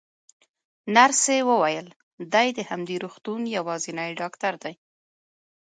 نرسې وویل: دی د همدې روغتون یوازینی ډاکټر دی.